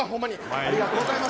ありがとうございます。